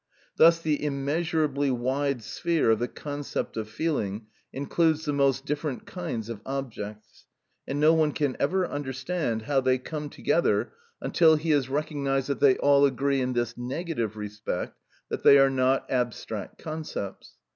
Thus the immeasurably wide sphere of the concept of feeling includes the most different kinds of objects, and no one can ever understand how they come together until he has recognised that they all agree in this negative respect, that they are not abstract concepts.